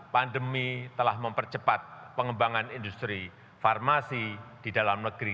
pandemi telah mempercepat pengembangan industri farmasi di dalam negeri